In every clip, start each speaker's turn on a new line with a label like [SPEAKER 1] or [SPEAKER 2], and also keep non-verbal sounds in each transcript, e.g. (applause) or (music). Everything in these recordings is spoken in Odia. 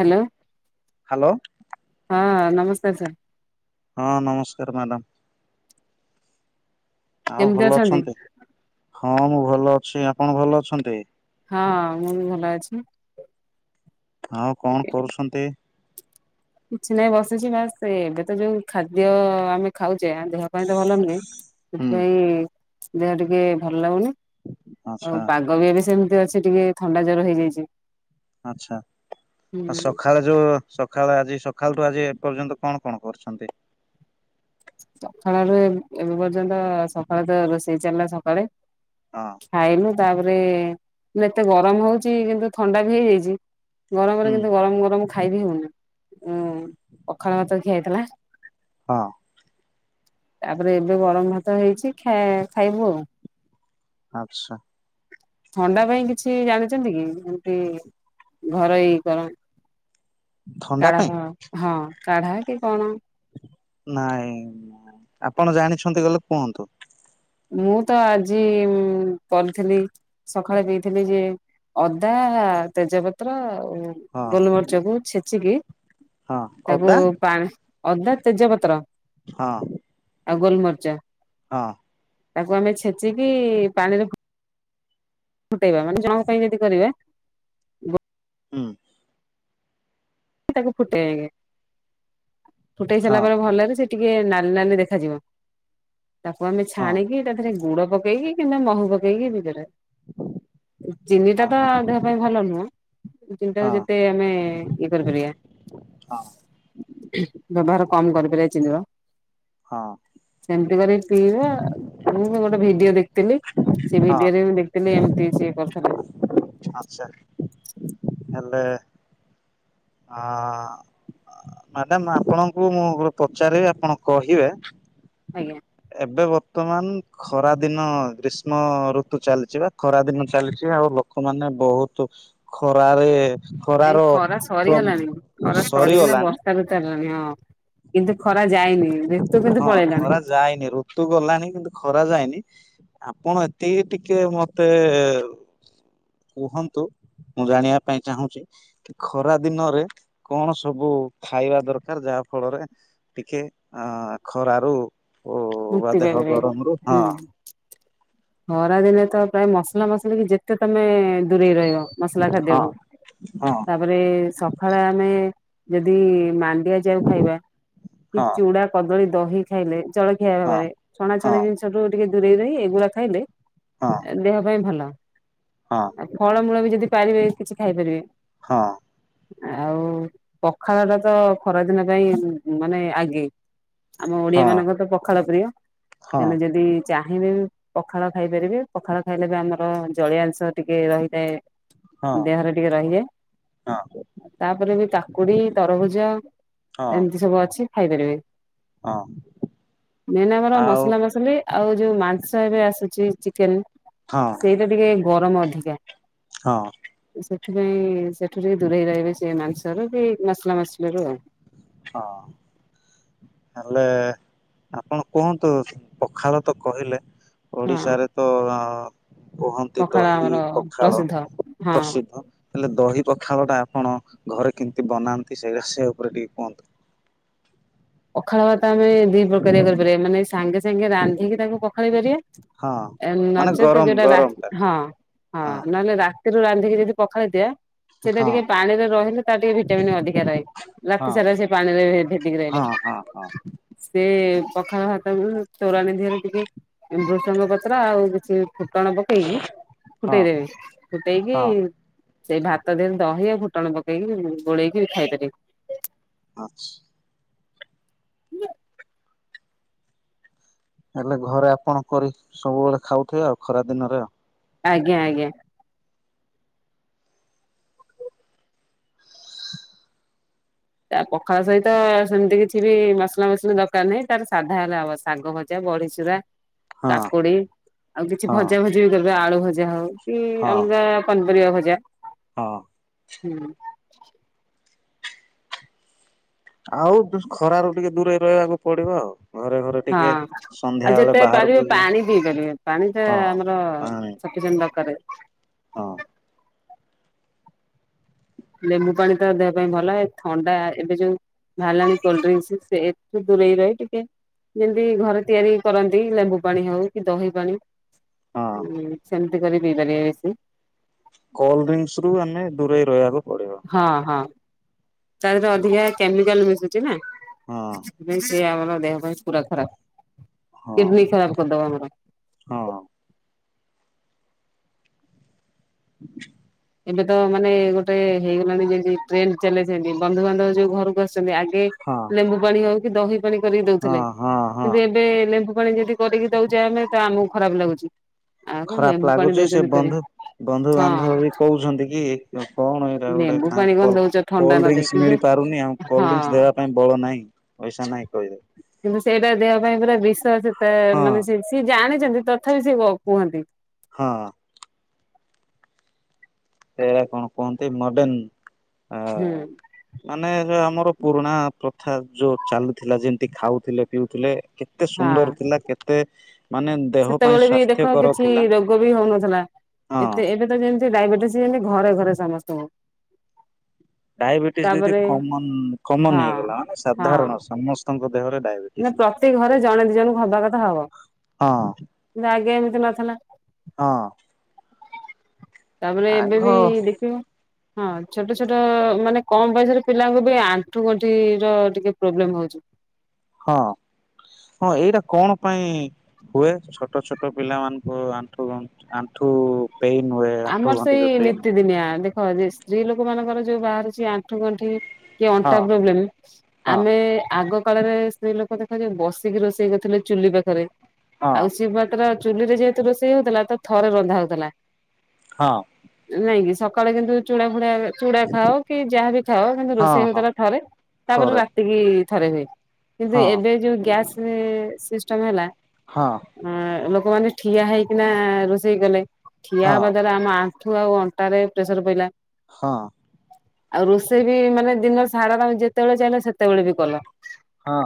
[SPEAKER 1] ହ୍ୟାଲୋ
[SPEAKER 2] ହ୍ୟାଲୋ
[SPEAKER 1] ହଁ ନମସ୍କାର ସାର୍।
[SPEAKER 2] ହଁ ନମସ୍କାର ମ୍ୟାଡ଼ାମ। ଆଉ ଭଲ ଅଛନ୍ତି ହଁ ମୁଁ ଭଲ ଅଛି ଆପଣ ଭଲ ଅଛନ୍ତି।
[SPEAKER 1] ହଁ ମୁଁ ବି ଭଲ ଅଛି।
[SPEAKER 2] ହଁ କଣ କରୁଛନ୍ତି?
[SPEAKER 1] କିଛି ନାଇଁ ବସିଛି ବାସ୍ ଏବେ ତ ଯୋଉ ଖାଦ୍ୟ ଆମେ ଖାଉଛେ ଦେହ ପାଇଁ ତ ଭଲ ନୁହେଁ
[SPEAKER 2] ହୁଁ
[SPEAKER 1] ସେଥିପାଇଁ ଦେହ ଟିକେ ଭଲ ଲାଗୁନି‌।
[SPEAKER 2] ଆଚ୍ଛା
[SPEAKER 1] ଆଉ ପାଗ ବି ଏବେ ସେମିତି ଅଛି ଟିକେ ଥଣ୍ଡା ଜର ହେଇଯାଇଛି।
[SPEAKER 2] ଆଚ୍ଛା
[SPEAKER 1] ହୁଁ
[SPEAKER 2] ଆଉ ସଖାଳେ ଯୋଉ ସଖାଳେ ଆଜି ସଖାଳଠୁ ଆଜି ଏପର୍ଯ୍ୟନ୍ତ କଣ କଣ କରିଛନ୍ତି?
[SPEAKER 1] ସକାଳ ରୁ ଏବେ ପର୍ଯ୍ୟନ୍ତ ସକାଳ ତ ରୋଷେଇ ଚାଲିଲା ସକାଳେ
[SPEAKER 2] ହଁ।
[SPEAKER 1] ଖାଇଲୁ ତାପରେ ଏତେ ଗରମ ହଉଛି କିନ୍ତୁ ଥଣ୍ଡା ବି ହେଇଯାଇଛି ଗରମରେ
[SPEAKER 2] ହୁଁ
[SPEAKER 1] କିନ୍ତୁ ଗରମ ଗରମ ଖାଇବି ହଉନି ଉଁ ପଖାଳ ଭାତ ଖିଆହେଇଥିଲା।
[SPEAKER 2] ହଁ।
[SPEAKER 1] ତାପରେ ଏବେ ଗରମ ଭାତ ହେଇଛି ଖ ଖାଇବୁ ଆଉ।
[SPEAKER 2] ଆଚ୍ଛା।
[SPEAKER 1] ଥଣ୍ଡା ପାଇଁ କିଛି ଜାଣିଛନ୍ତି କି? ଯେମିତି ଘରୋଇ କଣ
[SPEAKER 2] ଥଣ୍ଡା ପାଇଁ
[SPEAKER 1] କାଢ଼ା ହଁ କାଢ଼ା କି କଣ?
[SPEAKER 2] ନାଇଁ ଆପଣ ଜାଣିଛନ୍ତି ଗଲେ କୁହନ୍ତୁ।
[SPEAKER 1] ମୁଁ ତ ଆଜି କରିଥିଲି ସକାଳେ ପିଇଥିଲି ଯେ ଅଦା, ତେଜପତ୍ର, ଆଉ
[SPEAKER 2] ହଁ
[SPEAKER 1] ଗୋଲମରିଚକୁୁ ଛେଚିକି
[SPEAKER 2] ହଁ
[SPEAKER 1] ତାକୁ
[SPEAKER 2] ଅଦା
[SPEAKER 1] ପାଣି ଅଦା, ତେଜପତ୍ର,
[SPEAKER 2] ହଁ
[SPEAKER 1] ଆଉ ଗୋଲମରିଚ।
[SPEAKER 2] ହଁ।
[SPEAKER 1] ତାକୁ ଆମେ ଛେଚିକି ପାଣିରେ ଫୁ- ଫୁଟେଇବା ମାନେ ଜଣକ ପାଇଁ ଯଦି କରିବା
[SPEAKER 2] ହୁଁ।
[SPEAKER 1] ତାକୁ ଫୁଟେଇବେ ଫୁଟେଇ ସାରିଲା
[SPEAKER 2] ହଁ
[SPEAKER 1] ପରେ ଭଲରେ ସେ ଟିକେ ନାଲି ନାଲି ଦେଖାଯିବ ତାକୁ ଆମେ
[SPEAKER 2] ହଁ
[SPEAKER 1] ଛାଣିକି ତାଥିରେ ଗୁଡ଼ ପକ ପକେଇକି କିମ୍ବା ମହୁ ପକେଇକି ପିଇପାରିବେ। ଚିନିଟା
[SPEAKER 2] ହଁ
[SPEAKER 1] ତ
[SPEAKER 2] ହଁ
[SPEAKER 1] ଦେହ ପାଇଁ ଭଲ ନୁହଁ ଚିନିଟାକୁ
[SPEAKER 2] ହଁ
[SPEAKER 1] ଯେତେ ମାନେ କରିପାରିବା।
[SPEAKER 2] ହଁ
[SPEAKER 1] ବ୍ୟବହାର କମ୍ କରିପାରିବା ଚିନିର।
[SPEAKER 2] ହଁ।
[SPEAKER 1] ସେମିତି କରିକି ପିଇବେ ଆଉ। ମୁଁ ବି ଗୋଟେ ଭିଡ଼ିଓ ଦେଖିଥିଲି। ସେ
[SPEAKER 2] ହଁ
[SPEAKER 1] ଭିଡ଼ିଓରେ ମୁଁ ଦେଖିଥିଲି ଏମିତି ସିଏ କରୁଥିଲେ।
[SPEAKER 2] ଆଚ୍ଛା। ହେଲେ ଆଁ, ମ୍ୟାଡ଼ାମ ଆପଣଙ୍କୁ ମୁଁ ଗୋଟେ ପଚାରିବି ଆପଣ କହିବେ?
[SPEAKER 1] ଆଜ୍ଞା।
[SPEAKER 2] ଏବେ ବର୍ତ୍ତମାନ ଖରା ଦିନ ଗ୍ରୀଷ୍ମ ଋତୁ ଚାଲିଛି ବା ଖରା ଦିନ ଚାଲିଛି ଆଉ ଲୋକମାନୋନ ବହୁତୁ ଖରାରେ
[SPEAKER 1] ନାଇଁ
[SPEAKER 2] ଖରାର
[SPEAKER 1] ଖରା ସରିଗଲାଣି
[SPEAKER 2] ପ୍ରଭାବ
[SPEAKER 1] ଖରା ସରିକିନା
[SPEAKER 2] ସରିଗଲାଣି।
[SPEAKER 1] (unintelligible) ହଁ, କିନ୍ତୁ ଖରା ଯାଇନି କିନ୍ତୁ
[SPEAKER 2] ହଁ,
[SPEAKER 1] ପଳେଇଲାଣି
[SPEAKER 2] ଖରା ଯାଇନି ଋତୁ ଗଲଣିି କିନ୍ତୁ ଖରା ଯାଇନି। ଆପଣ ଏତିକି ଟିକେ ମତେ କୁହନ୍ତୁ, ମୁଁ ଜାଣିବା ପାଇଁ ଚାହୁଁଛି ଖରା ଦିନରେ କଣ ସବୁ ଖାଇବା ଦରକାର ଯାହା ଫଳରେ ଟିକେ ଖରା ରୁ ବା ଦେହ ଗରମ ରୁ ହଁ।
[SPEAKER 1] ଖରାଦିନେ ତ ପ୍ରାୟ ମସଲା ମସଲି କି ଯେତେ ତମେ ଦୂରେଇ ରହିବ। ମସଲା
[SPEAKER 2] ହଁ
[SPEAKER 1] ଖାଦ୍ୟରୁ।
[SPEAKER 2] ହଁ
[SPEAKER 1] ତାପରେ ସକାଳେ ଆମେ ଯଦି ମା ମାଣ୍ଡିଆ ଯାଉ ଖାଇବା କି
[SPEAKER 2] ହଁ
[SPEAKER 1] ଚୁଡ଼ା, କଦଳୀ, ଦହି ଖାଇଲେ ଜଳଖିଆ ଭାବରେ,
[SPEAKER 2] ହଁ
[SPEAKER 1] ଛଣାଛଣି ଜିନିଷ ଠାରୁ ଟିକେ ଦୂରେଇ ରହି ଏଗୁଡ଼ା ଖାଇଲେ
[SPEAKER 2] ହଁ
[SPEAKER 1] ଦେହ ପାଇଁ ଭଲ।
[SPEAKER 2] ହଁ
[SPEAKER 1] ଆଉ ଫଳମୂଳ ବି ଯଦି ପାରିବେ କିଛି ଖାଇପାରିବେ।
[SPEAKER 2] ହଁ
[SPEAKER 1] ଆଉ ପଖାଳ ଟା ତ ଖରାଦିନ ପାଇଁ ମାନେ ଆଗେ। ଆମ ଓଡିଆ
[SPEAKER 2] ହଁ
[SPEAKER 1] ମାନଙ୍କର ତ ପଖାଳ ପ୍ରିୟ।
[SPEAKER 2] ହଁ
[SPEAKER 1] ତେଣୁ ଯଦି ଚାହିଁବେ ବି ପଖାଳ ଖାଇପାରିବେ, ପଖାଳ ଖାଇଲେ ବି ଆମର ଜଳୀୟଅଂଶ ଟିକେ ରହିଥାଏ।
[SPEAKER 2] ହଁ ହଁ ହଁ
[SPEAKER 1] ଦେହରେ ଟିକେ ରହିଯାଏ। ଆଉ ତାପରେ ବି କାକୁଡି, ତରଭୁଜ
[SPEAKER 2] ହଁ
[SPEAKER 1] ଏମିତି ସବୁ ଅଛି ଖାଇପାରିବେ।
[SPEAKER 2] ହଁ।
[SPEAKER 1] ମେନ୍ ଆମର
[SPEAKER 2] ଆଉ
[SPEAKER 1] ମସଲା ମସଲି ଆଉ ଯୋଉ ମାଂସ ଏବେ ଆସୁଛି ଚିକେନ୍
[SPEAKER 2] ହଁ।
[SPEAKER 1] ସେଇଟା ଟିକେ ଗରମ ଅଧିକା।
[SPEAKER 2] ହଁ।
[SPEAKER 1] ଏ ସେଥିପାଇଁ ସେଠୁ ଟିକେ ଦୂରେଇ ରହିବେ ସେ ମାଂସରୁ କି ମସଲା ମସଲିରୁ ଆଉ।
[SPEAKER 2] ହଁ। ହଁ ହେଲେ ଆପଣ କୁହନ୍ତୁ, ପଖାଳ ତ କହିଲେ।
[SPEAKER 1] ହଁ।
[SPEAKER 2] ଓଡିଶାରେ ତ କୁହନ୍ତି
[SPEAKER 1] ପଖାଳ
[SPEAKER 2] ଦହି
[SPEAKER 1] ଆମର
[SPEAKER 2] ପଖାଳ
[SPEAKER 1] ପ୍ରସିଦ୍ଧ ହଁ
[SPEAKER 2] ପ୍ରସିଦ୍ଧ। ହେଲେ ଦହି ପଖାଳ ଟା ଆପଣ ଘରେ କେମିତି ବନାନ୍ତି ସେ ବିଷୟ ଉପରେ ଟିକେ କୁହନ୍ତୁ?
[SPEAKER 1] ପଖାଳ ଭାତ ଆମେ ଦି ପ୍ରକାରିଆ କରିପାରିବା। ଏମାନେ ସାଙ୍ଗେ ସାଙ୍ଗେ ରାନ୍ଧିକି ତାଙ୍କୁ ପଖାଳି ପାରିବା
[SPEAKER 2] ହଁ
[SPEAKER 1] ଏ
[SPEAKER 2] ମାନେ
[SPEAKER 1] ନଚେତ
[SPEAKER 2] ଗରମ
[SPEAKER 1] ଯେଟା ରା
[SPEAKER 2] ଗରମ ଟା
[SPEAKER 1] ହଁ, ହଁ, ନହେଲେ ରାତିରୁ ରାନ୍ଧିକି ଯଦି ପଖାାଳି ଦିଏ ସେଇଟା
[SPEAKER 2] ହଁ
[SPEAKER 1] ଟିକେ ପାଣିରେ ରହିଲେ ତାର ଟିକେ ଭିଟାମିନ୍ ଅଧିକା ରହେ। ରାତି ସାରା ସେ ପାଣିରେ ଭେ-ଭେଦିକି ରହିଲେ।
[SPEAKER 2] ହଁ ହଁ, ହଁ।
[SPEAKER 1] ସେ ପଖାଳ ଭାତକୁ ତୋରାଣି ଦେହରେ ଟିକେ ଏଇ ଭୃଷଙ୍ଗ ପତ୍ର ଆଉ କିଛି ଫୁଟଣ ପ ଟେଇକି
[SPEAKER 2] ହଁ
[SPEAKER 1] ଫୁଟେଇ ଦେବେ। ଫୁଟେଇ କି
[SPEAKER 2] ହଁ
[SPEAKER 1] ସେଇ ଭାତ ଦେହରେ ଦହି ଆଉ ଫୁଟଣ ପକେଇକି ଗୋଳେଇକିରି ଖାଇପାରିବେ।
[SPEAKER 2] ଆଚ୍ଛ।
[SPEAKER 1] ନା।
[SPEAKER 2] ହେଲେ ଘରେ ଆପଣ କରି ସବୁବେଳେ ଖାଉଥିବେ ଆଉ ଖରା ଦିନରେ।
[SPEAKER 1] ଆଜ୍ଞା, ଆଜ୍ଞା। ତା ପଖାଳ ସହିତ ସେମିତି କିଛି ବି ମସଲା ମସଲି ଦରକାର ନାହିଁ। ତାର ସାଧା ହେଲେ ହବ। ଶାଗ ଭ ଜା, ବଢିଚୁରା
[SPEAKER 2] ହଁ
[SPEAKER 1] କାକୁଡି ଆଉ କିଛି
[SPEAKER 2] ହଁ
[SPEAKER 1] ଭଜା ଭଜି ବି କରିବେ। ଆଳୁ ଭଜା ହଉ କି
[SPEAKER 2] ହଁ
[SPEAKER 1] ଅଲଗା ପନିପରିବା ଭଜା।
[SPEAKER 2] ହଁ।
[SPEAKER 1] ହୁଁ।
[SPEAKER 2] ଆଉ ଖରାରୁ ଟିକେ ଦୂରେଇ ରହିବାକୁ ପଡିବ ଆଉ। ଘରେ ଘରେ
[SPEAKER 1] ହଁ
[SPEAKER 2] ଟିକେ ସନ୍ଧ୍ୟା
[SPEAKER 1] ଆଉ
[SPEAKER 2] ବେଳେ
[SPEAKER 1] ଯେତେ
[SPEAKER 2] ବାହାରକୁ
[SPEAKER 1] ପାରିବେ
[SPEAKER 2] ଯିବ
[SPEAKER 1] ପାଣି ପିଇ ପାରିବେ। ପାଣି ଟା
[SPEAKER 2] ହଁ
[SPEAKER 1] ଆମର
[SPEAKER 2] ପାଣି
[SPEAKER 1] ସଫିସେଣ୍ଟ ଦରକାରେ।
[SPEAKER 2] ହଁ।
[SPEAKER 1] ଲେମ୍ବୁ ପାଣି ତ ଦେହ ପାଇଁ ଭଲ। ଏ ଥଣ୍ଡା ଏବେ ଯୋଉ ଭାଲାଣି କୋଲଡ୍ରିଙ୍କସି ସେ ଏଠୁ ଦୂରେଇ ରହି ଟିକେ ଯେମତି ଘରେ ତିଆରି କରନ୍ତି ଲେମ୍ବୁ ପାଣି ହଉ କି ଦହି ପାଣି।
[SPEAKER 2] ହଁ
[SPEAKER 1] ଉଁ, ସେମତି କରି ପିଇ ପାରିବେ ବେଶି।
[SPEAKER 2] କୋଲଡ୍ରିଙ୍କସ୍ ରୁ ଆମେ ଦୂରେଇ ରହିବାକୁ ପଡିବ।
[SPEAKER 1] ହଁ, ହଁ ତାରରେ ଅଧିକା କେମିକାଲ୍ ମିଶୁଛି ନା।
[SPEAKER 2] ହଁ।
[SPEAKER 1] ବି ସେ ଆମର ଦେହ ପାଇଁ ପୁରା ଖରାପ।
[SPEAKER 2] ହଁ
[SPEAKER 1] କିଡନୀ ଖରାପ କରିଦବ ଆମର।
[SPEAKER 2] ହଁ (inaudible)
[SPEAKER 1] ଏବେ ତ ମାନେ ଗୋଟେ ହେଇଗଲାଣି ଯେମତି ଟ୍ରେଣ୍ଡ ଚାଲେ ସେମିତି ବନ୍ଧୁବାନ୍ଧବ ଯୋଉ ଘରକୁ ଆସ ଛନ୍ତି,
[SPEAKER 2] ହଁ।
[SPEAKER 1] ଆଗେ ଲେମ୍ବୁ ପାଣି ହଉ କି ଦହି ପାଣି କରିକି
[SPEAKER 2] ହଁ
[SPEAKER 1] ଦଉଥିଲେ।
[SPEAKER 2] ହଁ ହଁ
[SPEAKER 1] କିନ୍ତୁ ଏବେ ଲେମ୍ବୁ ପାଣି ଯଦି କରିକି ଦଉଛେ ଆମେ ତ ଆମକୁ ଖରାପ ଲାଗୁଛି। ଆଉ କଣ
[SPEAKER 2] ଖରାପ
[SPEAKER 1] ଲେମ୍ବୁ ପାଣି
[SPEAKER 2] ଲାଗୁଛି ସେ
[SPEAKER 1] ଦଉଛନ୍ତି କରି
[SPEAKER 2] ବନ୍ଧୁ ବନ୍ଧୁ
[SPEAKER 1] ହଁ
[SPEAKER 2] ବାନ୍ଧବ ବି କହୁଛନ୍ତି କି କଣ ଏଇଟା ଗୋଟେ
[SPEAKER 1] ଲେମ୍ବୁ ପାଣି କଣ
[SPEAKER 2] କୋଲ
[SPEAKER 1] ଦଉଛ ଥଣ୍ଡା ନ ଦେଇ
[SPEAKER 2] କୋଲଡ୍ରିଙ୍କ
[SPEAKER 1] କିନ୍ତୁ
[SPEAKER 2] ମିଳି ପାରୁନି ଆଉ
[SPEAKER 1] ହଁ।
[SPEAKER 2] କୋଲଡିଙ୍କସ୍ ଦେବା ପାଇଁ ବଳ ନାହିଁ ପଇସା ନାହିଁ କହିବେ।
[SPEAKER 1] କିନ୍ତୁ ସେଇଟା ଦେହ ପାଇଁ ପୁରା ବିଷ ସେଟା
[SPEAKER 2] ହଁ
[SPEAKER 1] ମାନେ ସେ ସିଏ ଜାଣିଛନ୍ତି ତଥାପି ସେ କୁହନ୍ତି।
[SPEAKER 2] ହଁ। ସେଇଟା କଣ କୁହନ୍ତି ମଡର୍ନ
[SPEAKER 1] ହୁଁ
[SPEAKER 2] ଆଁ ମାନେ ଆମର ପୁରୁଣା ପ୍ରଥା ଯୋଉ ଚାଲୁଥିଲା ଯେମତି ଖାଉଥିଲେ ପିଉଥିଲେ କେତେ
[SPEAKER 1] ହଁ
[SPEAKER 2] ସୁନ୍ଦର ଥିଲା କେତେ ମାନେ ଦେହ ପାଇଁ
[SPEAKER 1] ସେତେବେଳେ ବି ଦେଖ
[SPEAKER 2] ସ୍ୱାସ୍ଥ୍ୟକର
[SPEAKER 1] କିଛି
[SPEAKER 2] ଥିଲା
[SPEAKER 1] ରୋଗ ବି ହଉନଥିଲା
[SPEAKER 2] ହଁ
[SPEAKER 1] ଏତେ ଏବେ ଯେମିତି ଡାଇବେଟିସ୍ ଯେମତି ଘରେ ଘରେ ସମସ୍ତଙ୍କୁ।
[SPEAKER 2] ଡାଇବେଟିସ୍ ଯଦି
[SPEAKER 1] ତାପରେ
[SPEAKER 2] କମନ
[SPEAKER 1] ହଁ।
[SPEAKER 2] କମନ ହେଇଗଲା ମାନେ ସାଧାରଣ ସମସ୍ତଙ୍କ ଦେହରେ ଡାଇବେ
[SPEAKER 1] ମ ପ୍ରତି ଘରେ ଜଣେ ଦି ଜଣଙ୍କୁ ହବା କଥା ହବ
[SPEAKER 2] ହଁ
[SPEAKER 1] କିନ୍ତୁ ଆଗେ ଏମିତି ନଥିଲା।
[SPEAKER 2] ହଁ।
[SPEAKER 1] ତାପରେ ଏବେ
[SPEAKER 2] ଆଗ
[SPEAKER 1] ବି ଦେଖିବ ହଁ ଛୋଟ ଛୋଟ ମାନେ କମ ବୟସରେ ପିଲାଙ୍କୁ ବି ଆଣ୍ଠୁ ଗଣ୍ଠିର ଟିକେ ପ୍ରୋବ୍ଲେମ ହଉଛି।
[SPEAKER 2] ହଁ ହଁ ଏଇଟା କଣ ପାଇଁ ହୁଏ ଛୋଟ ଛୋଟ ପିଲାମାନଙ୍କୁ ଆଣ୍ଠୁ ଗ ଆଣ୍ଠୁ ପେନ୍ ହୁଏ। ଆଣ୍ଠୁ
[SPEAKER 1] ଆମର
[SPEAKER 2] ଗଣ୍ଠି
[SPEAKER 1] ସେଇ
[SPEAKER 2] ଯୋଉ ପେନ୍
[SPEAKER 1] ନିତିଦିନିଆ ଦେଖ ହଁ ଯେ ସ୍ତ୍ରୀ ଲୋକ ମାନଙ୍କର ଯୋଉ ବାହାରୁଛି ଆଣ୍ଠୁ ଗଣ୍ଠି କି ଅଣ୍ଟା
[SPEAKER 2] ହଁ
[SPEAKER 1] ପ୍ରୋବ୍ଲେମ
[SPEAKER 2] ହଁ
[SPEAKER 1] ଆମେ ଆଗ କାଳରେ ସ୍ତ୍ରୀ ଲୋକ ଦେଖ ଯୋଉ ବସିକି ରୋଷେଇ କରିଥିଲେ ଚୁଲି ପାଖରେ।
[SPEAKER 2] ହଁ
[SPEAKER 1] ଆଉ ସିଏ ମାତ୍ର ଚୁଲିରେ ଯେହେତୁ ରୋଷେଇ ହଉଥିଲା ତ ଥରେ ରନ୍ଧା ହଉଥିଲା।
[SPEAKER 2] ହଁ।
[SPEAKER 1] ନାଇଁକି ସକାଳେ କିନ୍ତୁ ଚୁଡା ଫୁଡ଼ା ଚୁଡା ଖାଅ କି ଯାହାବି ଖାଅ କିନ୍ତୁ
[SPEAKER 2] ହଁ
[SPEAKER 1] ରୋଷେଇ
[SPEAKER 2] ହଁ
[SPEAKER 1] ହଉଥିଲା ଥରେ ତାପରେ
[SPEAKER 2] ଥରେ
[SPEAKER 1] ରାତି କିି ଥରେ ହୁଏ। କିନ୍ତୁ
[SPEAKER 2] ହଁ
[SPEAKER 1] ଏବେ ଯୋଉ ଗ୍ୟାସ ସିଷ୍ଟମ ହେଲା
[SPEAKER 2] ହଁ।
[SPEAKER 1] ଅ ଲୋକମାନେ ଠିଆ ହେଇକିନା ରୋଷେଇ କଲେ ଠିଆ
[SPEAKER 2] ହଁ
[SPEAKER 1] ହେବା (unintelligible) ଆମ ଆଣ୍ଠୁ ଆଉ ଅଣ୍ଟାରେ ପ୍ରେସର ପଇଲା।
[SPEAKER 2] ହଁ।
[SPEAKER 1] ଆଉ ରୋଷେଇ ବି ମାନେ ଦିନର ସାରା ଯେତେବେଳେ ଚାହିଁଲ ସେତେବେଳେ ବି କଲ।
[SPEAKER 2] ହଁ।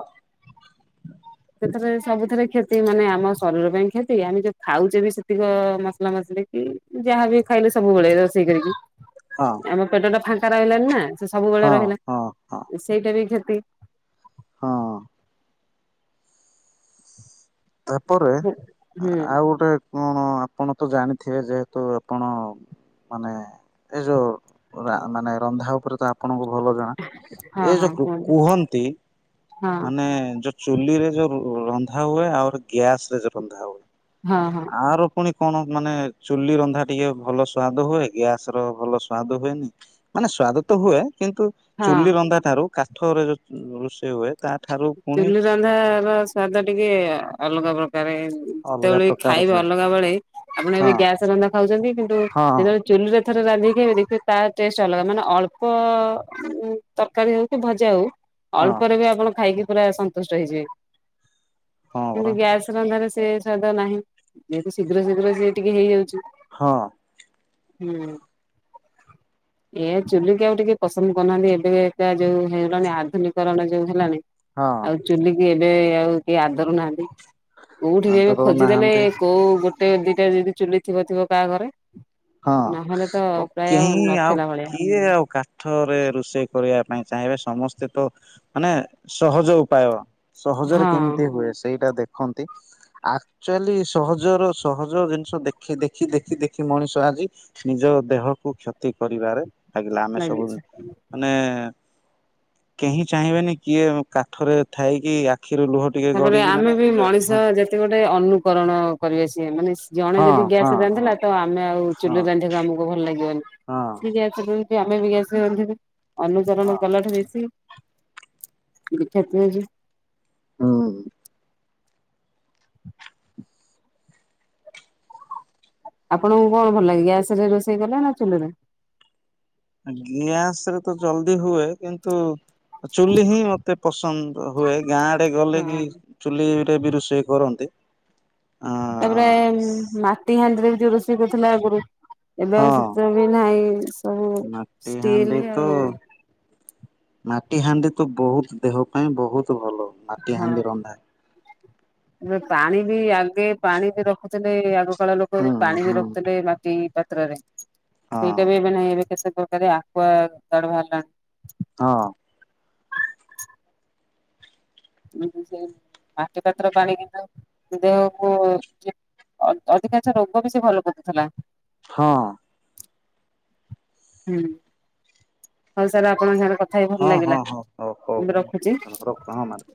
[SPEAKER 1] ସେଥିରେ ସବୁଥିରେ କ୍ଷତି ମାନେ ଆମ ଶରୀର ପାଇଁ କ୍ଷତି ଆମେ ଯୋଉ ଖାଉଛେ ବି ସେ ଧିକ ମସଲା ମସଲି କି ଯାହାବି ଖାଇଲେ ସବୁବେଳେ ରୋଷେଇ କରିକି
[SPEAKER 2] ହଁ।
[SPEAKER 1] ଆମ ପେଟ ଟା ଫାଙ୍କା ରହିଲାନି ନା ସେ ସବୁବେଳେ
[SPEAKER 2] ହଁ
[SPEAKER 1] ରହିଲା
[SPEAKER 2] ହଁ ହଁ
[SPEAKER 1] ସେଇଟା ବି କ୍ଷତି
[SPEAKER 2] ହଁ। ତାପରେ
[SPEAKER 1] ହୁଁ
[SPEAKER 2] ଆଉ
[SPEAKER 1] ହଁ
[SPEAKER 2] ଗୋଟେ କଣ ଆପଣ ତ ଜାଣିଥିବେ ଯେହେତୁ ଆପଣ ମାନେ ଏ ଯୋଉ ରା ମାନେ ରନ୍ଧା ଉପରେ ତ ଆ ଆପଣଙ୍କୁ ଭଲ ଜଣା ଏ
[SPEAKER 1] ହଁ
[SPEAKER 2] ଯୋଉ କୃ
[SPEAKER 1] କୁହନ୍ତୁ
[SPEAKER 2] କୁହନ୍ତି
[SPEAKER 1] ହଁ
[SPEAKER 2] ମାନେ ଯ ଚୁଲିରେ ଯୋଉ ରନ୍ଧା ହୁଏ ଆଉ ଗ୍ୟାସ ରେ ଯୋଉ ରନ୍ଧା ହୁଏ।
[SPEAKER 1] ହଁ ହଁ।
[SPEAKER 2] ଆର ପୁଣି କଣ ମାନେ ଚୁଲି ରନ୍ଧା ଟିକେ ଭଲ ସ୍ଵାଦ ହୁଏ ଗ୍ୟାସ ର ଭଲ ସ୍ଵାଦ ହୁଏନି। ମାନେ ସ୍ୱାଦ ତ ହୁଏ କିନ୍ତୁ
[SPEAKER 1] ହଁ।
[SPEAKER 2] ଚୁଲି ରନ୍ଧା ଠାରୁ କାଠରେ ଯୋଉ ରୋଷେଇ ହୁଏ। ତା ଠାରୁ ପୁଣି
[SPEAKER 1] ଚୁଲିି ରନ୍ଧାର ସ୍ଵାଦ ଟିକେ ଅଲଗା ପ୍ରକାରେ।
[SPEAKER 2] ଅଲଗା
[SPEAKER 1] ଯେତେବେଳେ
[SPEAKER 2] ପ୍ରକାର
[SPEAKER 1] ଖାଇବେ
[SPEAKER 2] ହୁଏ
[SPEAKER 1] ଅଲଗା ବେଳେ ଆପଣ ଏବେ
[SPEAKER 2] ହଁ
[SPEAKER 1] ଗ୍ୟାସ ରନ୍ଧା ଖାଉଛନ୍ତି କିନ୍ତୁ
[SPEAKER 2] ହଁ
[SPEAKER 1] ଯେତେବେଳେ ଚୁଲିରେ ଥରେ ରାନ୍ଧିକି ଦେଖିବେ ତା ଟେଷ୍ଟ ଅଲଗା ମାନେ ଅଳ୍ପ ଉଁ ତରକାରୀ ହଉ କି ଭଜା ହଉ?
[SPEAKER 2] ହଁ
[SPEAKER 1] ଅଳ୍ପରେ ବି ଆପଣ ଖାଇକି ପୁରା ସନ୍ତୁଷ୍ଟ ହେଇଯିବେ
[SPEAKER 2] ହଁ
[SPEAKER 1] କିନ୍ତୁ
[SPEAKER 2] ପରା
[SPEAKER 1] ଗ୍ୟାସ ରନ୍ଧାରେ ସେ ସ୍ୱାଦ ନାହିଁ ଯେହେତୁ ଶୀଘ୍ର ଶୀଘ୍ର ସିଏ ଟିକେ ହେଇଯାଉଛି।
[SPEAKER 2] ହଁ।
[SPEAKER 1] ହୁଁ। ଏ ଆ ଚୁଲିିକି ଆଉ ଟିକେ ପସନ୍ଦ କରୁନାହାନ୍ତି ଏବେ ଏଟା ଯୋଉ ହେଇଲାଣି ଆଧୁନିକରଣ ଯୋଉ ହେଲାଣି।
[SPEAKER 2] ହଁ।
[SPEAKER 1] ଚୁଲିକିି ଏବେ ଆଉ କେଏ ଆଦରୁ ନାହାଁନ୍ତି କୋଉଠି
[SPEAKER 2] ଆଉ
[SPEAKER 1] ବି
[SPEAKER 2] ତ
[SPEAKER 1] ଏବେ ଖୋଜିଦେଲେ
[SPEAKER 2] ରହୁନାହାନ୍ତି
[SPEAKER 1] କୋଉ ଗୋଟେ ଦିଟା ଯଦି ଚୁଲି ଥିବ ଥିବ କାହା ଘରେ
[SPEAKER 2] ହଁ
[SPEAKER 1] ନହେଲେ ତ
[SPEAKER 2] ଓ
[SPEAKER 1] ପ୍ରାୟ
[SPEAKER 2] କେହିଁ ଆଉ
[SPEAKER 1] ନଥିଲା ଭଳିଆ
[SPEAKER 2] କିଏ ଆଉ କା ଠରେ ରୋଷେଇ କରିବା ପାଇଁ ଚାହିଁବେ ସମସ୍ତେ ତ ମାନେ ସହଜ ଉପାୟ। ସହଜରେ
[SPEAKER 1] ହଁ
[SPEAKER 2] କେମିତି ହୁଏ ସେଇଟା ଦେଖନ୍ତି। ଆକ୍ଚୁଆଲି ସହଜର ସହଜ ଜିନିଷ ଦେଖି ଦେଖି ଦେଖି ଦେଖି ମଣିଷ ଆଜି ନିଜ ଦେହ କୁ କ୍ଷତି କରିବାରେ ଲାଗିଲା ଆମେ ସବୁ
[SPEAKER 1] ଲାଗିଛି।
[SPEAKER 2] ମାନେ କେହି ଚାହିଁବେନି କିଏ କାଠରେ ଥାଇକି ଆଖିରୁ ଲୁହ ଟିକେ
[SPEAKER 1] ତାପରେ
[SPEAKER 2] ଗଡିକି
[SPEAKER 1] ଆମେ
[SPEAKER 2] ମାନେ
[SPEAKER 1] ବି ମଣିଷ
[SPEAKER 2] ହଁ
[SPEAKER 1] ଯେତେ ଗୋଟେ ଅନୁକରଣ କରିବେ ସେ ମାନେ ଜଣେ
[SPEAKER 2] ହଁ
[SPEAKER 1] ଯଦି
[SPEAKER 2] ହଁ
[SPEAKER 1] ଗ୍ୟାସ
[SPEAKER 2] ହଁ
[SPEAKER 1] ରାନ୍ଧିଲା ତ ଆମେ ଆଉ
[SPEAKER 2] ହଁ
[SPEAKER 1] ଚୁଲୁ ରାନ୍ଧିବାକୁ ଆମକୁ ଭଲ ଲାଗିବନି। ସେ
[SPEAKER 2] ହଁ
[SPEAKER 1] ଗ୍ୟାସ ଆମେ ବି ଗ୍ୟାସ ନ୍ଧିବୁ ଅନୁଚରଣ କଲାଠୁ ବେଶୀ (unintelligible)
[SPEAKER 2] ହଁ।
[SPEAKER 1] ଆପଣଙ୍କୁ କଣ ଭଲ ଲାଗେ ଗ୍ୟାସ ରେ ରୋଷେଇ କଲେ ନା ଚୁଲିରେ।
[SPEAKER 2] ଗ୍ୟାସ ରେ ତ ଜଲଦି ହୁଏ କିନ୍ତୁ ଚୁଲି ହିଁ ମତେ ପସନ୍ଦ ହୁଏ ଗାଁଡେ ଗଲେ କି
[SPEAKER 1] ହଁ।
[SPEAKER 2] ଚୁଲି ରେ ବି ରୋଷେଇ କରନ୍ତି। ଆ
[SPEAKER 1] ତାପରେ ମାଟି ହାଣ୍ଡିରେ ବି ଯୋଉ ରୋଷେଇ କରୁଥିଲା ଆଗରୁ।
[SPEAKER 2] ହଁ
[SPEAKER 1] ଏବେଉ ଶୀତ ବି ନାହିଁ ସବୁ
[SPEAKER 2] ମାଟି ହାଣ୍ଡି
[SPEAKER 1] ଷ୍ଟିଲ
[SPEAKER 2] ତ
[SPEAKER 1] ଆଉ।
[SPEAKER 2] ମାଟି ହାଣ୍ଡି ତ ବହୁତ ଦେହ ପାଇଁ ବହୁତ ଭଲ। ମାଟି
[SPEAKER 1] ହଁ।
[SPEAKER 2] ହାଣ୍ଡି ରନ୍ଧା
[SPEAKER 1] ଏବେ ପାଣି ବି ଆଗେ ପାଣି ବି ରଖୁଛନ୍ତି ଆଗ କାଳ ଲୋକ
[SPEAKER 2] ହୁଁ
[SPEAKER 1] ପାଣି ବି
[SPEAKER 2] ହୁଁ
[SPEAKER 1] ରଖୁଥିଲେ ମାଟି ପାତ୍ରରେ
[SPEAKER 2] ହଁ
[SPEAKER 1] ସେଇଟା ବି ଏବେ ନାହିଁ ଏବେ କେତେ ପ୍ରକାର। (unintelligible)
[SPEAKER 2] ହଁ।
[SPEAKER 1] (unintelligible) ଦେହକୁ ଅଦ୍ ଅଧିକାଂଶ ରୋଗ ବି ସେ ଭଲ ପକଉଥିଲା।
[SPEAKER 2] ହଁ।
[SPEAKER 1] ହୁଁ ହଉ ସାର୍ ଆପଣଙ୍କ ସାରେ କଥା ବି ଭଲ
[SPEAKER 2] ହଁ ହଁ
[SPEAKER 1] ଲାଗିଲା
[SPEAKER 2] ହଁ ହଁ ହଉ
[SPEAKER 1] ମୁ ରଖୁଛି।
[SPEAKER 2] ହଉ (unintelligible)